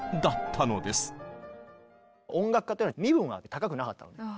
音楽家っていうのは身分が高くなかったの。